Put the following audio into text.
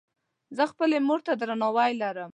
زۀ خپلې مور ته درناوی لرم.